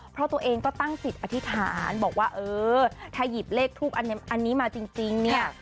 เพราะตัวเองก็ตั้งจิตอธิษฐานบอกว่าเออถ้าหยิบเลขทูปอันนี้มาจริงเนี่ย